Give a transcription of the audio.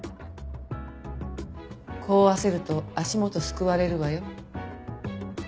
功を焦ると足元すくわれるわよ。